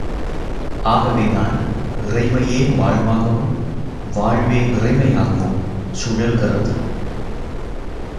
ஆகவேதான் இறைமையே வாழ்வாகவும், வாழ்வே இறைமையாகவும் சுழல்கிறது!...